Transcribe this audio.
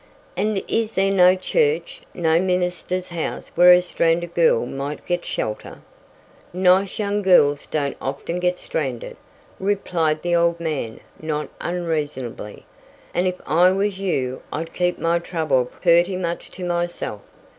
"And is there no church no minister's house where a stranded girl might get shelter?" "Nice young girls don't often get stranded," replied the old man not unreasonably, "and if I was you I'd keep my trouble purty much to myself.